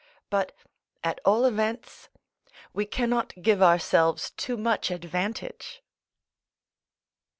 But, at all events, we cannot give ourselves too much advantage.